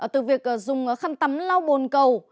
từ việc dùng khăn tắm lau bồn cầu